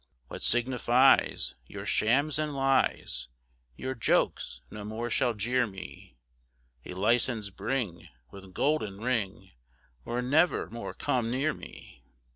What signifies Your shams and lies, Your jokes no more shall jeer me; A licence bring With golden ring, Or never more come near me.